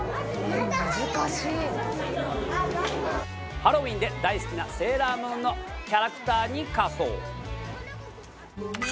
ハロウィーンで大好きな『セーラームーン』のキャラクターに仮装。